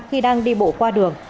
khi đang đi bộ qua đường